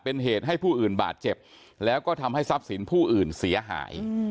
เป็นเหตุให้ผู้อื่นบาดเจ็บแล้วก็ทำให้ทรัพย์สินผู้อื่นเสียหาย